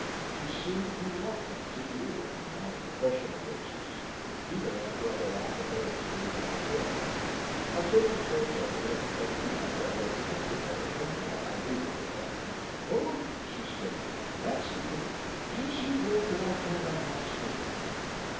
She seemed reluctant to deal with me on a professional basis, even after I had offered her a twenty dollar bill, until I told her that the F.B.I. had recommended her and that I needed her help. "Oh," she said. "Tha's differ'nt. Jest you wait till I turn down my stove."